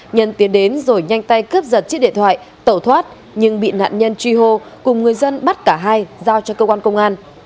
nhân tiến đến rồi nhanh tay cướp giật chiếc điện thoại tẩu thoát nhưng bị nạn nhân truy hô cùng người dân bắt cả hai giao cho cơ quan công an